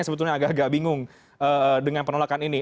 sebetulnya agak agak bingung dengan penolakan ini